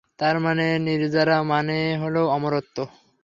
তারমানে নির্জারা মানে হলো অমরত্ব।